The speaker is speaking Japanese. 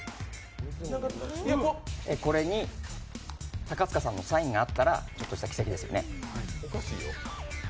これに高塚さんのサインがあったら奇跡ですよね。